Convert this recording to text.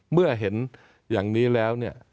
เมื่อเห็นอย่างนี้แล้วเนี่ย